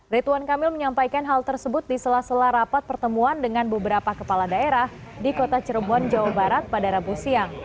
rituan kamil menyampaikan hal tersebut di sela sela rapat pertemuan dengan beberapa kepala daerah di kota cirebon jawa barat pada rabu siang